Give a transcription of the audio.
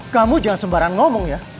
kamu jangan sembarangan ngomong ya